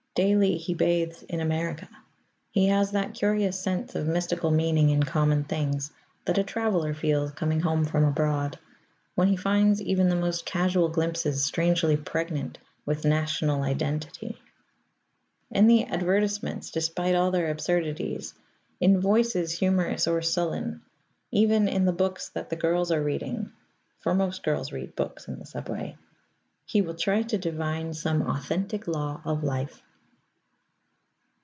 Daily he bathes in America. He has that curious sense of mystical meaning in common things that a traveller feels coming home from abroad, when he finds even the most casual glimpses strangely pregnant with national identity. In the advertisements, despite all their absurdities; in voices humorous or sullen; even in the books that the girls are reading (for most girls read books in the subway) he will try to divine some authentic law of life.